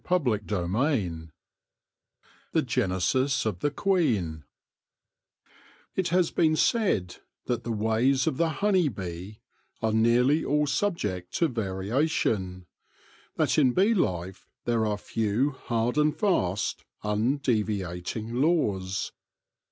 CHAPTER VII THE GENESIS OF THE QUEEN IT has been said that the ways of the honey bee are nearly all subject to variation — that in bee life there are few hard and fast, undeviating laws.